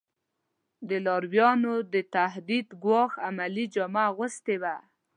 د لارویانو د تهدید ګواښل عملي جامه اغوستې وه.